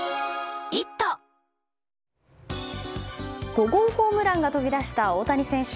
５号ホームランが飛び出した大谷選手。